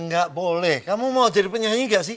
gak boleh kamu mau jadi penyanyi juga sih